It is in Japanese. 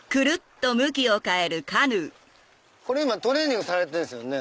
これ今トレーニングされてるんですよね。